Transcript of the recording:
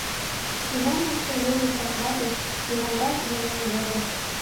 Тунамак шеҥгеке чакналтыш, йӧнанракын йымен возо.